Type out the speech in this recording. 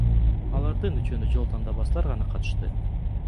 Алардын үчөөнө жол тандабастар гана катышты.